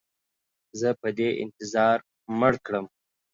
زه دې په انتظار مړ کړم.